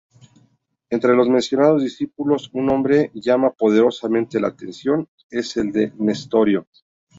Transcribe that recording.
Entre los mencionados discípulos, un nombre llama poderosamente la atención, es el de Nestorio.